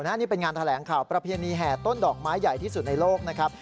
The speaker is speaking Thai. นี่เป็นงานแถลงข่าวประเพณีแห่ต้นดอกไม้ใหญ่ที่สุดในโลกนะครับ